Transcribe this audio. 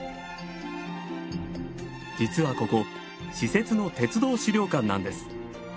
実はここ私設の鉄道資料館なんです。